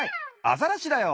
アザラシだよ。